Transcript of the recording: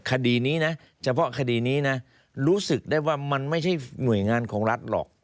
คดีนี้นะเฉพาะคดีนี้นะรู้สึกได้ว่ามันไม่ใช่หน่วยงานของรัฐหรอก